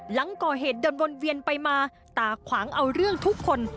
หลังก่อเหตุเดินวนเวียนไปมาตาขวางเอาเรื่องทุกคน